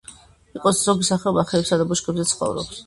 ზოგი სახეობა ხეებსა და ბუჩქებზე ცხოვრობს.